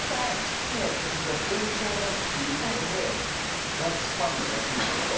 好きな曲が「天頂バス」っていうところでガチファンだなっていうのが分かるんです。